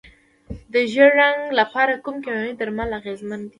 د ژیړ زنګ لپاره کوم کیمیاوي درمل اغیزمن دي؟